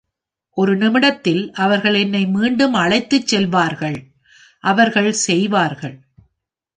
ஒரு நிமிடத்தில் அவர்கள் என்னை மீண்டும் அழைத்துச் செல்வார்கள், அவர்கள் செய்வார்கள்!